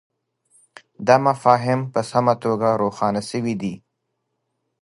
دا مفاهیم په سمه توګه روښانه سوي دي.